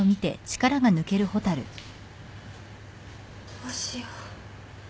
どうしよう。